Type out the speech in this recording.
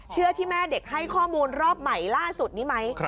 เชื่อที่แม่เด็กให้ข้อมูลรอบใหม่ล่าสุดนี้ไหม